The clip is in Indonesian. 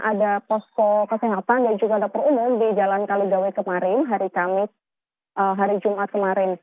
ada posko kesehatan dan juga dapur umum di jalan kaligawe kemarin hari kamis hari jumat kemarin